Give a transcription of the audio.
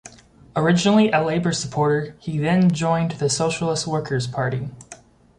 Originally a Labour supporter, he then joined the Socialist Workers Party.